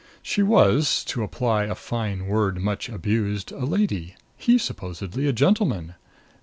She was, to apply a fine word much abused, a lady; he supposedly a gentleman.